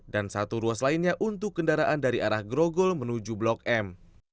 dan satu ruas lainnya untuk kendaraan dari arah grogol menuju blok m